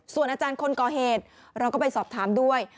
ส่วนอาจารย์คนก่อเหตุเราก็ไปสอบถามด้วย